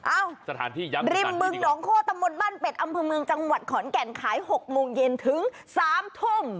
อ้าวริมบึง๒โคตรตมบ้านเป็ดอำเภอเมืองจังหวัดขอนแก่นขาย๖โมงเย็นถึง๓ทุ่ม